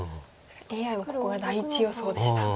ＡＩはここが第１予想でした。